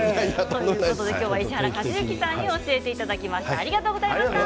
石原和幸さんに教えていただきました。